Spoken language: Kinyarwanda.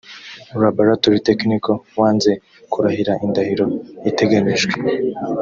laboratory technician wanze kurahira indahiro iteganyijwe